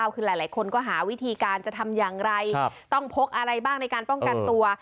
คือหลายคนก็หาวิธีการจะทำอย่างไรต้องพกอะไรบ้างในการป้องกันตัว